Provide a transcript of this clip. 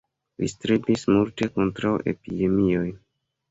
Li strebis multe kontraŭ epidemioj.